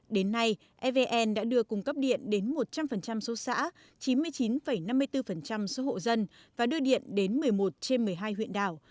đến nay evn đã đưa cung cấp điện đến một trăm linh số xã chín mươi chín năm mươi bốn số hộ dân và đưa điện đến một mươi một trên một mươi hai huyện đảo